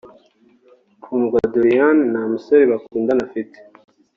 Kundwa Doriane nta musore bakundana afite